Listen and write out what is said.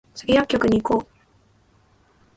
スギ薬局に行こう